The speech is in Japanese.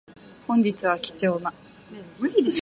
本日は貴重な